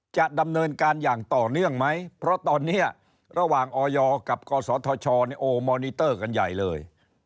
จะดำเนินการอย่างต่อเนื่องไหมเพราะตอนนี้ระหว่างออยกับกศธชโอมอนิเตอร์กันใหญ่เลย